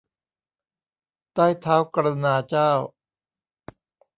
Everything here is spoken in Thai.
ใต้เท้ากรุณาเจ้า